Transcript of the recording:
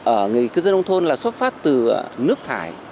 ở người cư dân nông thôn là xuất phát từ nước thải